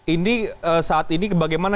ini saat ini bagaimana